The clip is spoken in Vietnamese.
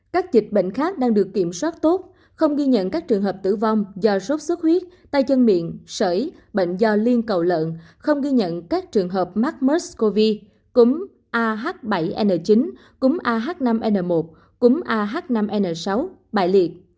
các dịch bệnh khác đang được kiểm soát tốt không ghi nhận các trường hợp tử vong do sốt xuất huyết tay chân miệng sởi bệnh do liên cầu lợn không ghi nhận các trường hợp mắc mescov cúng ah bảy n chín cúm ah năm n một cúm ah năm n sáu bài liệt